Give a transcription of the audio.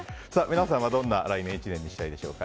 皆さんはどんな来年１年にしたいでしょうか。